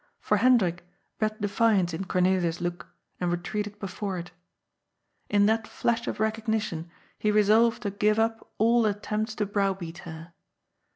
For Hendrik read de fiance in Cornelia's look, and retreated before it. In that flash of recognition he resolved to give up all attempts to browbeat her.